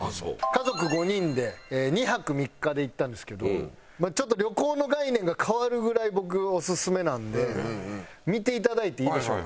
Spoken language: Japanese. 家族５人で２泊３日で行ったんですけどちょっと旅行の概念が変わるぐらい僕オススメなんで見ていただいていいでしょうか。